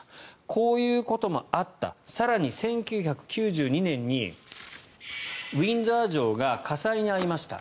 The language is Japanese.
こういうこともあった更に１９９２年にウィンザー城が火災に遭いました。